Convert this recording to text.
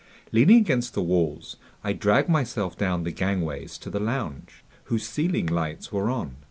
Leaning against the walls, I dragged myself down the gangways to the lounge, whose ceiling lights were on.